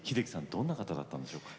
どんな方だったんでしょうか？